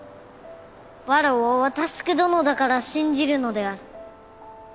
わらわは佑どのだから信じるのである。